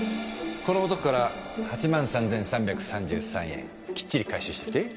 この男から８万３，３３３円きっちり回収してきて。